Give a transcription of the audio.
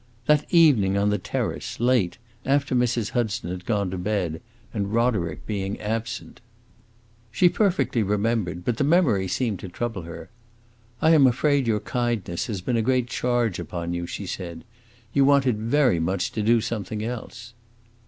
"That evening on the terrace, late, after Mrs. Hudson had gone to bed, and Roderick being absent." She perfectly remembered, but the memory seemed to trouble her. "I am afraid your kindness has been a great charge upon you," she said. "You wanted very much to do something else."